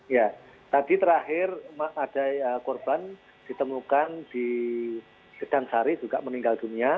ya tadi terakhir ada korban ditemukan di sedang sari juga meninggal dunia